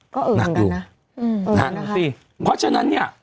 ก็อื่นกันนะอืมอืมนะครับเพราะฉะนั้นเนี้ย